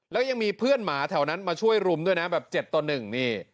แล้วยังมีเพื่อนหมาแถวนั้นมาช่วยรุมด้วยนะแบบ๗ต่อ๑นี่